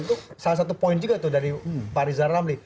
itu salah satu poin juga tuh dari pak rizal ramli